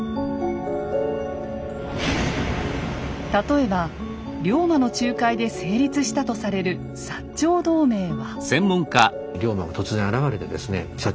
例えば龍馬の仲介で成立したとされる長同盟は。